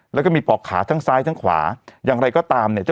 แล้วก็มีปอกขาทั้งซ้ายทั้งขวาอย่างไรก็ตามเนี่ย